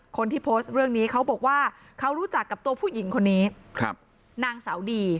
คนที่โพสต์เรื่องนี้เขาบอกว่าเขารู้จักกับตัวผู้หญิงคนนี้ครับนางสาวดี